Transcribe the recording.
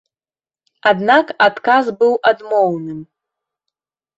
Аднак адказ быў адмоўным.